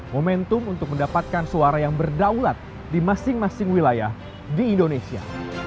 momentum untuk mendapatkan suara yang berdaulat di masing masing wilayah di indonesia